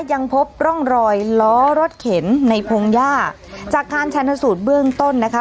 ยังพบร่องรอยล้อรถเข็นในพงหญ้าจากการชนสูตรเบื้องต้นนะคะ